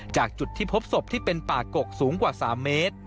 จากจุดที่พบศพที่เป็นป่ากกสูงกว่า๓เมตร